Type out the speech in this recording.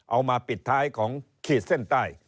เอามาปิดท้ายของขีดเส้นใต้